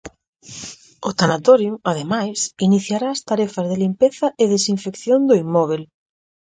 O tanatorio, ademais, iniciará as tarefas de limpeza e desinfección do inmóbel.